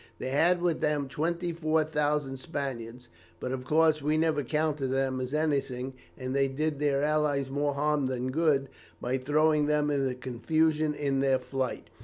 They had with them 24,000 Spaniards, but, of course, we never counted them as anything, and they did their allies more harm than good by throwing them into confusion in their flight.